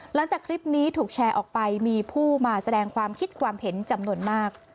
หลังจากคลิปนี้ถูกแชร์ออกไปมีผู้มาแสดงความคิดความเห็นจำนวนมาก